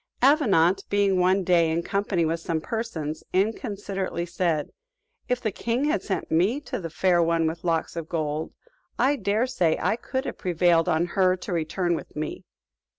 Avenant being one day in company with some persons, inconsiderately said, "If the king had sent me to the Fair One with Locks of Gold, I dare say I could have prevailed on her to return with me."